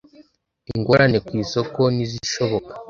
ingorane ku isoko n’izishoboka.